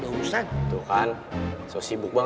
tidak ada yang ingin mencoba